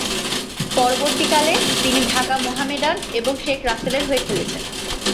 পরবর্তীকালে, তিনি ঢাকা মোহামেডান এবং শেখ রাসেলের হয়ে খেলেছেন।